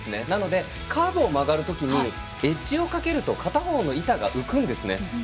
なので、カーブを曲がるときにエッジをかけると片方の板が浮くんですね。